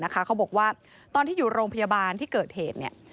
เขาบอกว่าตอนที่อยู่โรงพยาบาลที่เกิดเหตุ